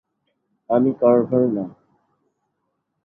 আমি কার্ভার না।